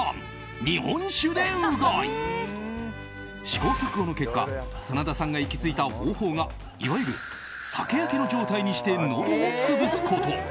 試行錯誤の結果真田さんが行き着いた方法がいわゆる酒焼けの状態にしてのどを潰すこと。